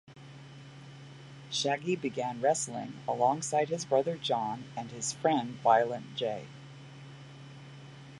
Shaggy began wrestling alongside his brother John and his friend Violent J.